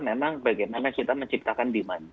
memang bagaimana kita menciptakan demand